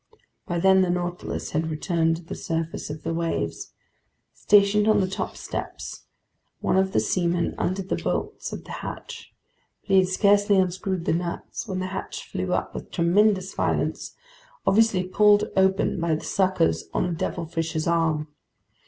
By then the Nautilus had returned to the surface of the waves. Stationed on the top steps, one of the seamen undid the bolts of the hatch. But he had scarcely unscrewed the nuts when the hatch flew up with tremendous violence, obviously pulled open by the suckers on a devilfish's arm.